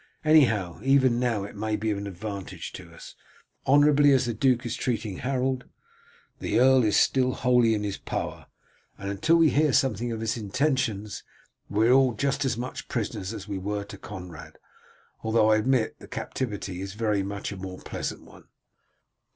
Anyhow, even now it may be of advantage to us. Honourably as the duke is treating Harold, the earl is still wholly in his power, and until we hear something of his intentions we are all just as much prisoners as we were to Conrad, although I admit the captivity is a very much more pleasant one."